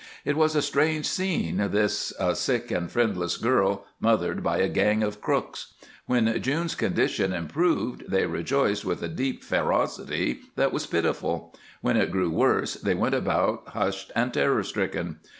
It was a strange scene, this, a sick and friendless girl mothered by a gang of crooks. When June's condition improved they rejoiced with a deep ferocity that was pitiful; when it grew worse they went about hushed and terror stricken.